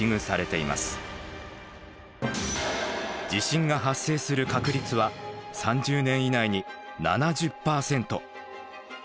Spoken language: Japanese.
地震が発生する確率は３０年以内に７０％。